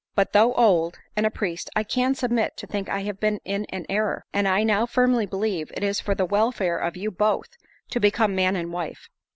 But though old, and a priest, I can submit to think I have been in an error; and I now firmly believe, it is for the welfare of you both, to become man and wife.